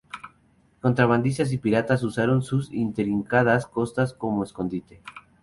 Contrabandistas y piratas usaron sus intrincadas costas como escondite.